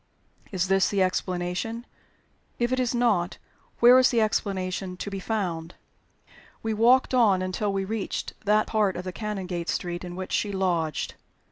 Is this the explanation? If it is not, where is the explanation to be found? We walked on until we reached that part of the Canongate street in which she lodged.